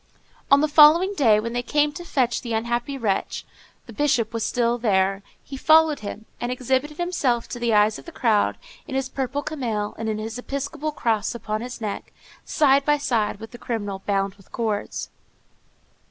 On the following day, when they came to fetch the unhappy wretch, the Bishop was still there. He followed him, and exhibited himself to the eyes of the crowd in his purple camail and with his episcopal cross upon his neck, side by side with the criminal bound with cords.